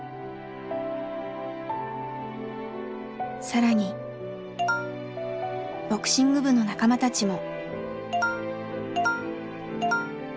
更にボクシング部の仲間たちも。